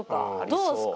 どうすか？